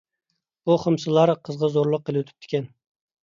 بۇ خۇمسىلار قىزغا زورلۇق قىلىۋېتىپتىكەن.